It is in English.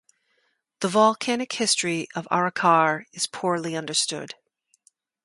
The volcanic history of Aracar is poorly understood.